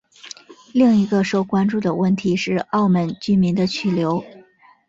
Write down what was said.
另一个受关注的问题是澳门居民的去留。